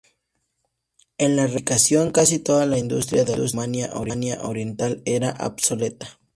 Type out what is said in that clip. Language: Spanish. En la reunificación casi toda la industria de Alemania Oriental era obsoleta.